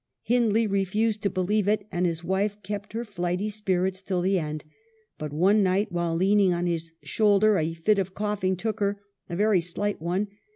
Hindley refused to believe it, and his wife kept her flighty spirits till the end ; but one night, while leaning on his shoulder, a fit of coughing took her, — a very slight one.